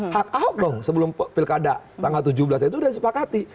hak ahok dong sebelum pilkada tanggal tujuh belas itu sudah disepakati